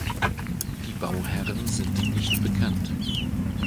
Die Bauherren sind nicht bekannt.